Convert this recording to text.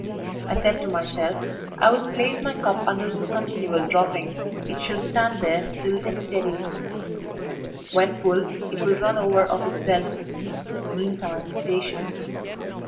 I said to myself, "I will place my cup under this continual dropping; it shall stand there still and steady; when full, it will run over of itself meantime patience.